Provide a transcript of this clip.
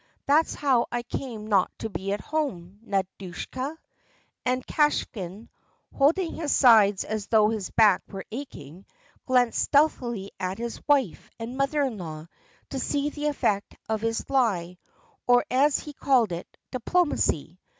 That's how I came not to be at home, Nadyusha. .. And Kvashin, holding his sides as though his back were aching, glanced stealthily at his wife and mother in law to see the effect of his lie, or as he called it, diplomacy.